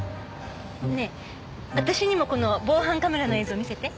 ねえ私にもこの防犯カメラの映像見せて。